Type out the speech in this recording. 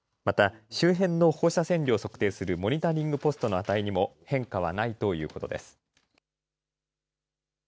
また周辺の放射線量を測定するモニタリングポストの値にも変化はないということです。